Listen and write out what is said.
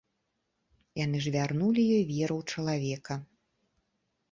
Яны ж вярнулі ёй веру ў чалавека.